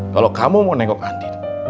kalau kamu mau nengok andin